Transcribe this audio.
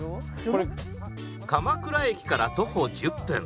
鎌倉駅から徒歩１０分。